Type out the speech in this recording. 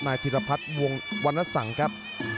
นายธิรัพย์วงวรรณสังครับ